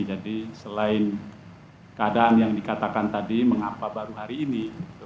jadi selain keadaan yang dikatakan tadi mengapa baru hari ini